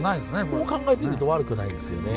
こう考えてみると悪くないですよね。